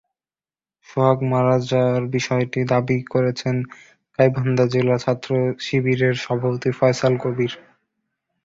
সোহাগ মারা যাওয়ার বিষয়টি দাবি করেছেন গাইবান্ধা জেলা ছাত্রশিবিরের সভাপতি ফয়সাল কবীর।